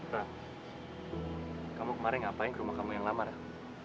rang kamu kemarin ngapain ke rumah kamu yang lama rang